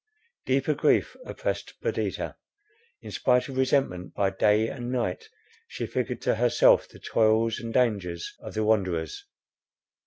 Deeper grief oppressed Perdita. In spite of resentment, by day and night she figured to herself the toils and dangers of the wanderers.